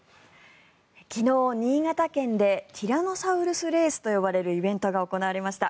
昨日、新潟県でティラノサウルスレースと呼ばれるイベントが行われました。